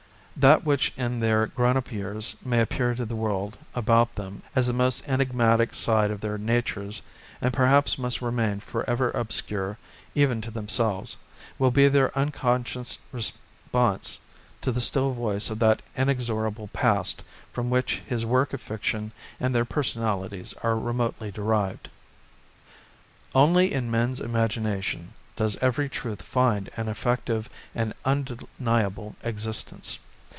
That which in their grown up years may appear to the world about them as the most enigmatic side of their natures and perhaps must remain for ever obscure even to themselves, will be their unconscious response to the still voice of that inexorable past from which his work of fiction and their personalities are remotely derived. Only in men's imagination does every truth find an effective and undeniable existence.